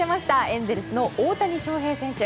エンゼルスの大谷翔平選手。